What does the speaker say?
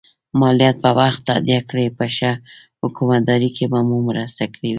مالیات په وخت تادیه کړئ په ښه حکومتدارۍ کې به مو مرسته کړي وي.